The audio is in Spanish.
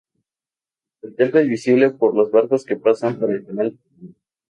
El templo es visible por los barcos que pasan por el Canal de Panamá.